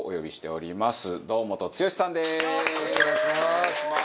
お願いします！